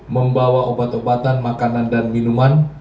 membawa obat obatan makanan dan minuman